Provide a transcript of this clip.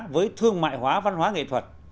với thương mại hóa văn hóa nghệ thuật